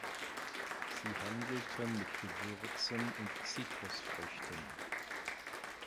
Sie handelten mit Gewürzen und Zitrusfrüchten.